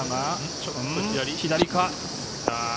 ちょっと左か。